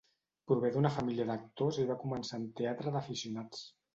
Prové d'una família d'actors i va començar en teatre d'aficionats.